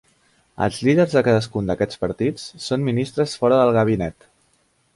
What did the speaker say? Els líders de cadascun d'aquests partits són ministres fora del gabinet.